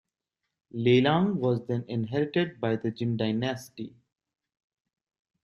Lelang was then inherited by the Jin dynasty.